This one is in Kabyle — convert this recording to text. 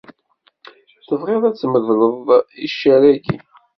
Tebɣiḍ ad tmedleḍ iccer-agi?